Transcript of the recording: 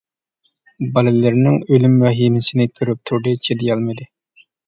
بالىلىرىنىڭ ئۆلۈم ۋەھىمىسىنى كۆرۈپ تۇردى، چىدىيالمىدى.